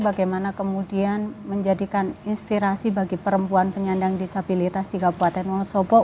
bagaimana kemudian menjadikan inspirasi bagi perempuan penyandang disabilitas di kabupaten wonosobo